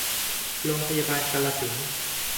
โรงพยาบาลกาฬสินธุ์